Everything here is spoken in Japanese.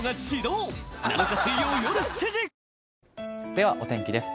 ではお天気です。